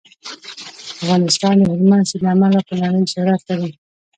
افغانستان د هلمند سیند له امله په نړۍ شهرت لري.